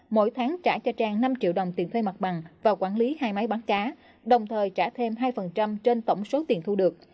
mỗi tháng trả cho trang năm triệu đồng tiền thuê mặt bằng và quản lý hai máy bán cá đồng thời trả thêm hai trên tổng số tiền thu được